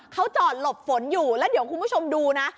เขาจอดหลบฝนอยู่แล้วเดี๋ยวคุณผู้ชมดูนะ